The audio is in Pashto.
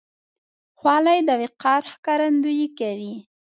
خولۍ د وقار ښکارندویي کوي.